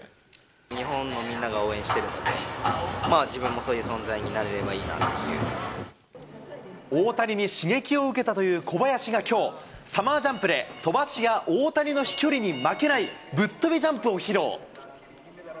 日本のみんなが応援しているので、自分もそういう存在になれ大谷に刺激を受けたという小林がきょう、サマージャンプで、飛ばし屋大谷の飛距離に負けない、ぶっ飛びジャンプを披露。